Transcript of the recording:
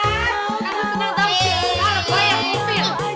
yang dibrakang saya ini imated